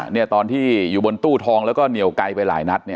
เนี่ยตอนที่อยู่บนตู้ทองแล้วก็เหนียวไกลไปหลายนัดเนี่ย